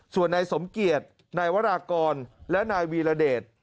ส่วนนายสมเกียจนายวรากรและนายวีรเดช